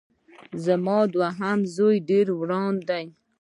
زما دوهم زوی ډېر وران دی